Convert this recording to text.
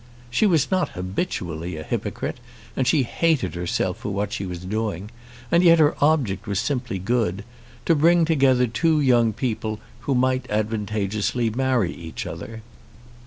She was not habitually a hypocrite, and she hated herself for what she was doing, and yet her object was simply good, to bring together two young people who might advantageously marry each other.